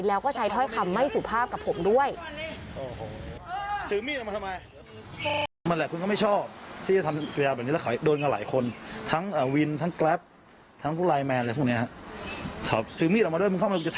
แล้วก็ใช้ถ้อยคำไม่สุภาพกับผมด้วย